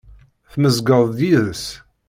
Temmezg-d yid-s.